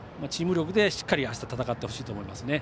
チーム力でしっかりあした戦ってほしいと思います。